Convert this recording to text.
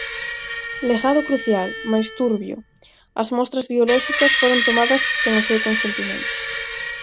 Legado crucial, mais turbio: as mostras biolóxicas foron tomadas sen o seu consentimento.